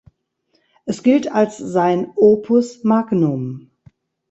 Es gilt als sein Opus magnum.